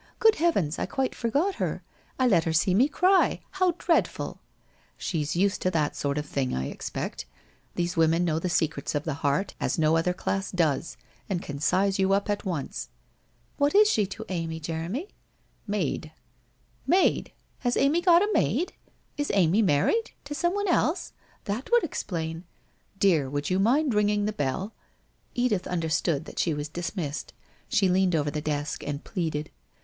Good heavens, I quite forgot her ! I let her see me cry. How dreadful !?' She's used to that sort of thing, I expect. These WHITE ROSE OF WEARY LEAF 425 •women know the secrets of the heart, as no other class does, and can size you up at once.' ' What is she to Amy, Jeremy ?'< Maid.' ' Maid ! Has Amy got a maid ? Is Amy married ? To someone else? That would explain ' 1 Dear, would you mind ringing the bell ?' Edith understood that she was dismissed. tShe leaned over the desk and pleaded.